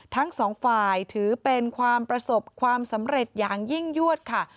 ทั้งสองฝ่ายถือเป็นความประสบความสำเร็จอย่างยิ่งยวดค่ะ